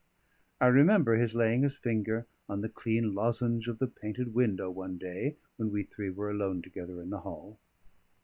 I remember his laying his finger on the clean lozenge of the painted window one day when we three were alone together in the hall.